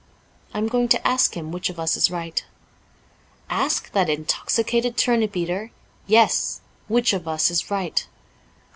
I am going to ask him which of us is right.' * Ask that intoxicated turnip eater '* Yes — which of us is right.